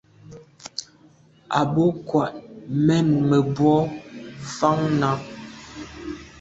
O ba kwa’ mènmebwô fan nà.